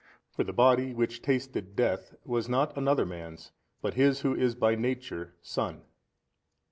For the Body which tasted death, was not another man's but His who is by Nature Son.